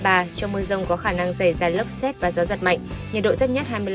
trong mưa rông có khả năng xảy ra lốc xét và gió giật mạnh